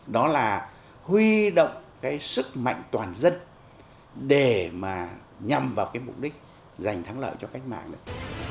đó là huy động cái sức mạnh toàn dân để mà nhằm vào cái mục đích giành thắng lợi cho cách mạng này